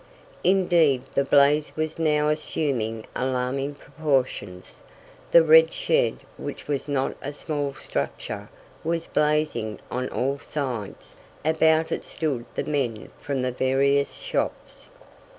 Indeed the blaze was now assuming alarming proportions. The red shed, which was not a small structure, was blazing on all sides. About it stood the men from the various shops.